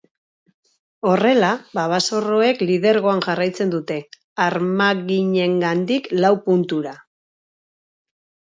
Horrela, babazorroek lidergoan jarraitzen dute, armaginengandik lau puntura.